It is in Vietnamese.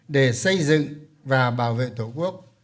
để xây dựng và bảo vệ tổ quốc